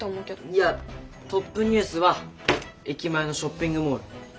いやトップニュースは駅前のショッピングモール。